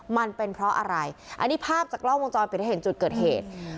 มันเป็นเพราะอะไรอันนี้ภาพจากกล้องวงจรปิดที่เห็นจุดเกิดเหตุ